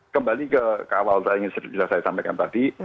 kembali ke awal yang sudah saya sampaikan tadi